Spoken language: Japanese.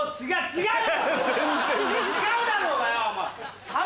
違う！